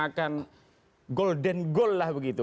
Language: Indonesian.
akan golden goal lah begitu